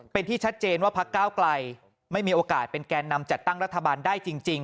เป็นที่ชัดเจนว่าพักก้าวไกลไม่มีโอกาสเป็นแกนนำจัดตั้งรัฐบาลได้จริง